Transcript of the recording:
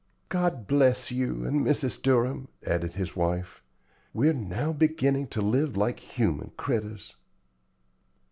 "God bless you and Mrs. Durham!" added his wife "We're now beginning to live like human critters."